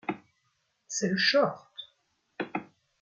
C’est le Chort !